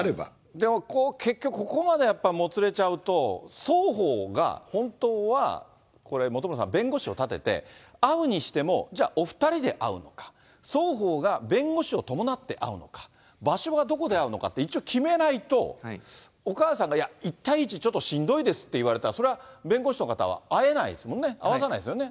でも、結局、ここまでやっぱりもつれちゃうと、双方が本当は、これ、本村さん、弁護士を立てて会うにしても、じゃあ、お２人で会うのか、双方が弁護士を伴って会うのか、場所はどこで会うのかって、一応決めないと、お母さんがいや、１対１しんどいですって言われたら、それは弁護士の方は会えないですもんね、会わせないですもんね。